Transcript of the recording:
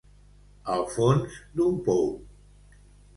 Al fons d'un pou.